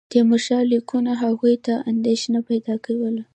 د تیمورشاه لیکونو هغوی ته اندېښنه پیدا کوله.